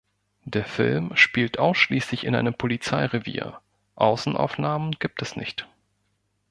Der Film spielt ausschließlich in einem Polizeirevier, Außenaufnahmen gibt es nicht.